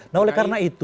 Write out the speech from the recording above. nah oleh karena itu